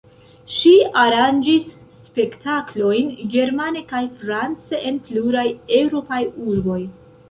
Ŝi aranĝis spektaklojn germane kaj france en pluraj eŭropaj urboj.